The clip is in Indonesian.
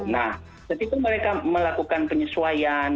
nah ketika mereka melakukan penyesuaian